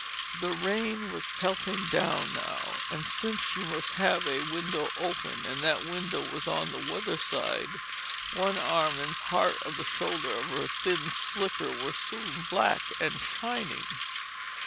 The rain was pelting down now, and since she must have a window open, and that window was on the weather side, one arm and part of the shoulder of her thin slicker were soon black and shining.